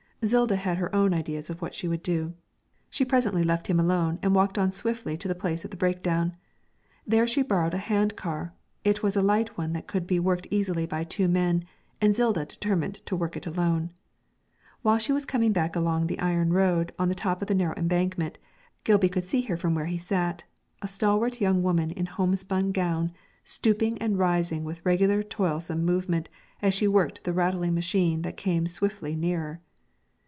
Zilda had her own ideas of what she would do. She presently left him alone and walked on swiftly to the place of the breakdown. There she borrowed a hand car; it was a light one that could be worked easily by two men, and Zilda determined to work it alone. While she was coming back along the iron road on the top of the narrow embankment, Gilby could see her from where he sat a stalwart young woman in homespun gown, stooping and rising with regular toilsome movement as she worked the rattling machine that came swiftly nearer.